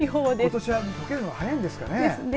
ことしは溶けるのが早いんですかね。